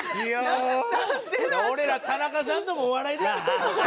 俺ら田中さんともうお笑いできへん。